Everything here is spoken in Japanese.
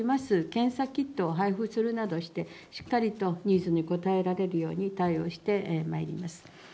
検査キットを配布するなどして、しっかりとニーズに応えられるように対応してまいります。